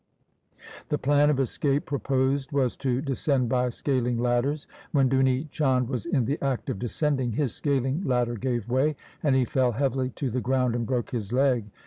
The plan of escape pro posed was to descend by scaling ladders. When Duni Chand was in the act of descending, his scaling ladder gave way, and he fell heavily to the ground and broke his leg.